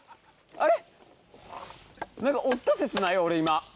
あれ？